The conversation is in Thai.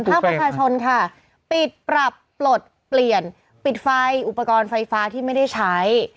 ภาคประชาชนค่ะปิดปรับปลดเปลี่ยนปิดไฟอุปกรณ์ไฟฟ้าที่ไม่ได้ใช้